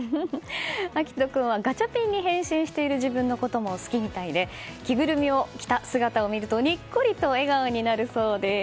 暁登君はガチャピンに変身している自分のことも好きみたいで着ぐるみを着た姿を見るとにっこりと笑顔になるそうです。